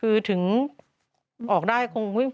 คือถึงออกได้คง